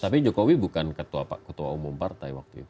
tapi jokowi bukan ketua umum partai waktu itu